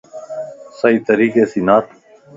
صحيح طريقي سين نار